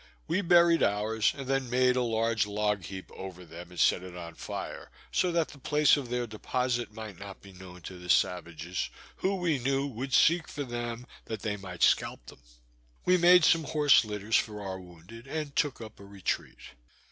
We buried ours, and then made a large log heap over them, and set it on fire, so that the place of their deposite might not be known to the savages, who, we knew, would seek for them, that they might scalp them. We made some horse litters for our wounded, and took up a retreat.